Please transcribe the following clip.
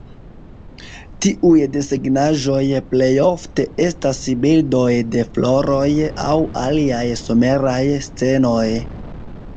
Tiuj desegnaĵoj plejofte estas bildoj de floroj aŭ aliaj someraj scenoj.